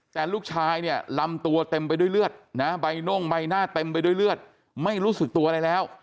แต่ลูกชายเนี่ยลำตัวเต็มไปด้วยเลือดนะใบน่งใบหน้าเต็มไปด้วยเลือดไม่รู้สึกตัวอะไรแล้ว